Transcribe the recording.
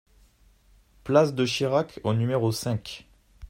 Place de Chirac au numéro cinq